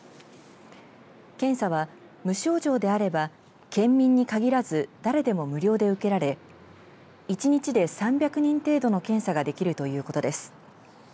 検査は無症状であれば県民に限らず誰でも無料で受けられ１日で３００人程度の検査ができるということです。